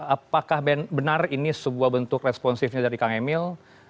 apakah benar ini sebuah bentuk responsifnya dari kang emil